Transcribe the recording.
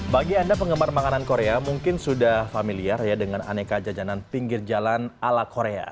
bagi anda penggemar makanan korea mungkin sudah familiar ya dengan aneka jajanan pinggir jalan ala korea